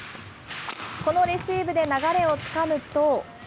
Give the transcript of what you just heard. このレシーブで流れをつかむと。